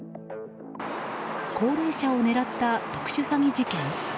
高齢者を狙った特殊詐欺事件。